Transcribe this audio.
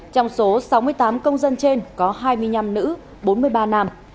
trong số sáu mươi tám công dân trên có hai mươi năm nữ bốn mươi ba nam